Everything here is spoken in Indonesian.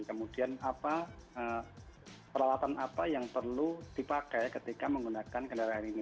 kemudian peralatan apa yang perlu dipakai ketika menggunakan kendaraan ini